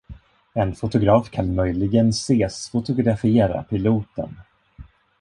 En fotograf kan möjligen ses fotografera piloten.